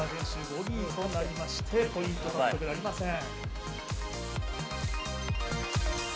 ボギーとなりましてポイント獲得なりません